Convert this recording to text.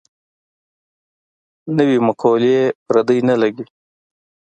نوې مقولې پردۍ نه لګي.